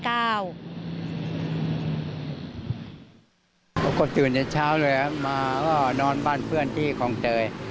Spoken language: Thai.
ก็ตื่นจากเช้าเลยนะมานอนบ้านเพื่อนที่ของเจย